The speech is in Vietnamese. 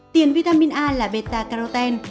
tiền vitamin a là beta carotene